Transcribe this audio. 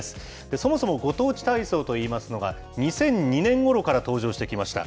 そもそもご当地体操といいますのが、２００２年ごろから登場してきました。